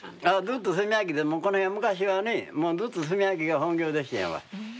ずっと炭焼きでもうこの辺昔はねもうずっと炭焼きが本業でしたよ。